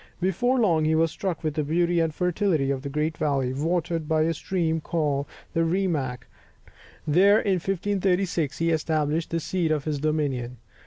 Before long he was struck with the beauty and fertility of a great valley, watered by a stream called the Rimac, and there in 1536, he established the seat of his dominion.